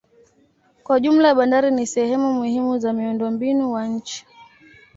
Kwa jumla bandari ni sehemu muhimu za miundombinu wa nchi.